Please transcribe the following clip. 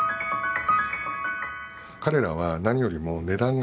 彼らは何よりも値段が安いと。